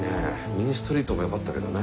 「ミーン・ストリート」もよかったけどね。